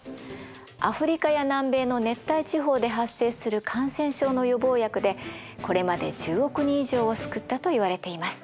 アフリカや南米の熱帯地方で発生する感染症の予防薬でこれまで１０億人以上を救ったといわれています。